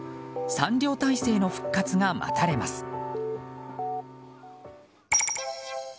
３両体制の復活が待たれます。